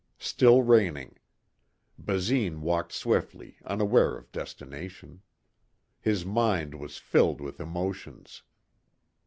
Still raining. Basine walked swiftly, unaware of destination. His mind was filled with emotions.